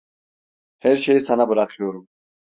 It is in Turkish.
Her şeyi sana bırakıyorum.